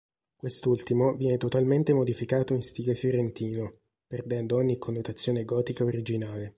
Quest'ultimo viene totalmente modificato in stile fiorentino, perdendo ogni connotazione gotica originale.